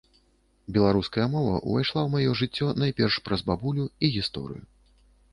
Беларуская мова ўвайшла ў маё жыццё найперш праз бабулю і гісторыю.